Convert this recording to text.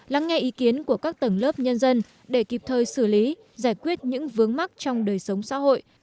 lắng nghe ý kiến của các tầng lớp nhân dân để kịp thời xử lý giải quyết những vướng mắc trong đời sống xã hội